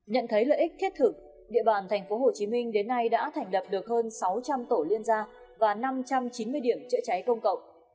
nhận thấy lợi ích thiết thực địa bàn tp hcm đến nay đã thành lập được hơn sáu trăm linh tổ liên gia và năm trăm chín mươi điểm chữa cháy công cộng